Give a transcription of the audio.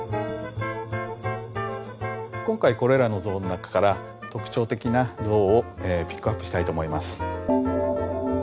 今回これらの像の中から特徴的な像をピックアップしたいと思います。